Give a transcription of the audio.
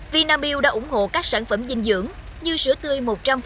vinamilk đã ủng hộ các sản phẩm dinh dưỡng như sữa tươi một trăm linh